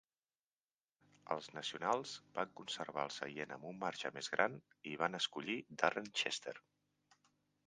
Els nacionals van conservar el seient amb un marge més gran i van escollir Darren Chester.